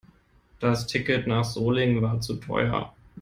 Das Ticket nach Solingen war zu teuer